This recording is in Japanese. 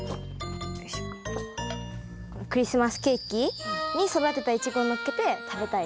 クリスマスケーキに育てたイチゴをのっけて食べたい。